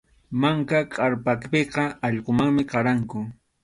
Manka kʼarpapiqa allqumanmi qaranku.